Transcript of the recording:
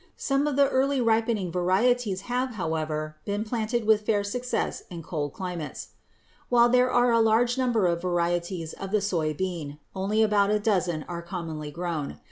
Some of the early ripening varieties have, however, been planted with fair success in cold climates. While there are a large number of varieties of the soy bean, only about a dozen are commonly grown.